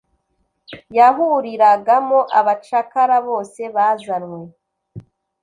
yahuriragamo abacakara bose bazanwe